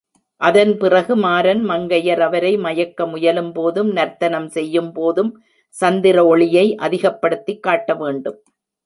அதன் பிறகு மாரன் மங்கையர் அவரை மயக்க முயலும்போதும் நர்த்தனம் செய்யும் போதும் சந்திர ஒளியை அதிகப்படுத்திக் காட்டவேண்டும்.